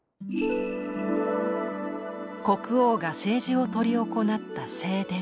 国王が政治を執り行った正殿。